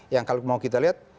yang kalau mau kita lihat